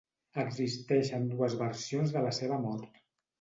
Existeixen dues versions de la seva mort.